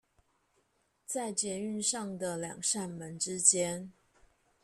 在捷運上的兩扇門之間